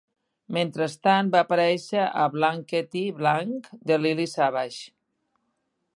Mentrestant, va aparèixer a "Blankety Blank" de Lily Savage.